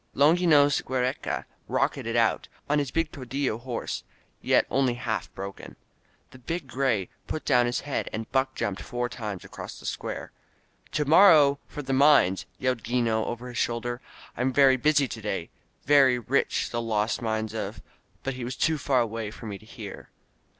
Longinos Giiereca rocketed out on his great tordiUo horse, yet only half broken. The big gray put down Kis head and buck jumped four times across the square. "To morrow for the mines,'* yelled 'Gino over his 82 THE COMING OF THE COLORADOS shoulder. "Fm very busy to day — ^very rich — ^the lost mines of '' But he was too far away for me to hear.